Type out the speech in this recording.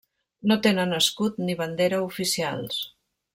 No tenen escut ni bandera oficials: